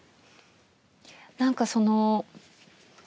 何かその。